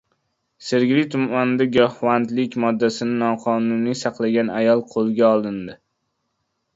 Sergeli tumanida giyohvandlik moddasini noqonuniy saqlagan ayol qo‘lga olindi